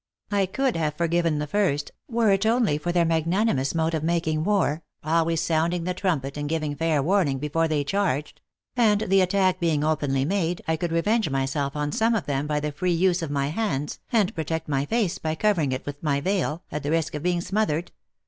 I could have forgiven the first, were it only for their THE ACTRESS IN HIGH LIFE. 147 magnanimous mode of making war, always sounding the trumpet, and giving fair warning before they charged ; and the attack being openly made, I could revenge myself on some of them by the free use of my hands, and protect my face by covering it with my veil, at the risk of being smothered.